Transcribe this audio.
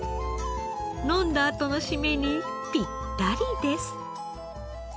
飲んだあとの締めにぴったりです。